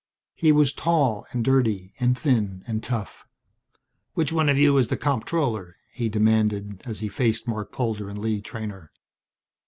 He was tall and dirty and thin and tough. "Which one of you is the comptroller?" he demanded, as he faced Marc Polder and Lee Treynor.